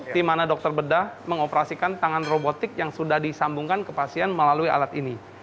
di mana dokter bedah mengoperasikan tangan robotik yang sudah disambungkan ke pasien melalui alat ini